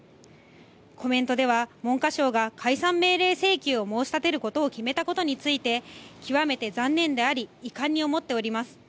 コメントでは、文科省が解散命令請求を申し立てることを決めたことについて、極めて残念であり遺憾に思っております。